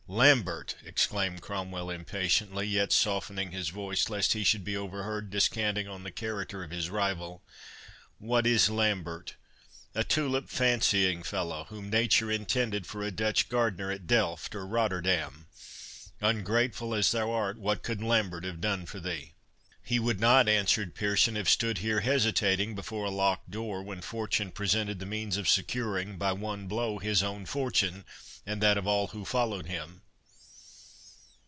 "Lambert!" exclaimed Cromwell impatiently, yet softening his voice lest he should be overheard descanting on the character of his rival,—"What is Lambert?—a tulip fancying fellow, whom nature intended for a Dutch gardener at Delft or Rotterdam. Ungrateful as thou art, what could Lambert have done for thee?" "He would not," answered Pearson, "have stood here hesitating before a locked door, when fortune presented the means of securing, by one blow, his own fortune, and that of all who followed him."